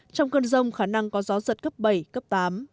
trong cơn rông khả năng có gió giật cấp bảy cấp tám